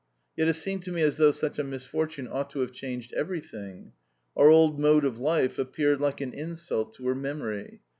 Yet it seemed to me as though such a misfortune ought to have changed everything. Our old mode of life appeared like an insult to her memory.